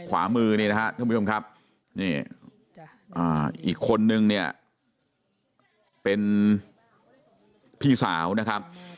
ขวามือนี่นะฮะคุณผู้ชมครับอีกคนนึงเป็นพี่สาวนะครับ